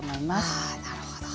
ああなるほど。